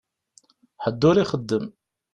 Ḥedd ur ixeddem.